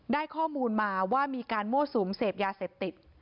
ได้ข้อมูลมาว่ามีการมั่วสุมเสพยาเสพติด